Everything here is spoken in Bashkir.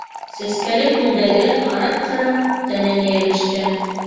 Сәскәле күлдәге арыҡ ҡыра тәненә йәбешкән